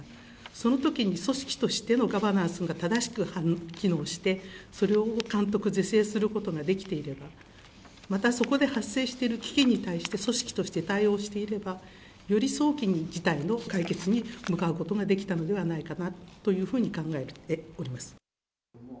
そのときに組織としてのガバナンスが正しく機能して、それを監督是正することができていれば、またそこで発生している危機に対して、組織として対応していれば、より早期に事態の解決に向かうことができたのではないかなというふうに考えております。